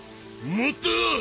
もっと！